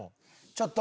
ちょっと。